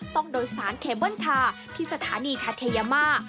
ต้องโดยสารเคเบิ้ลทาที่สถานีทาเทยามา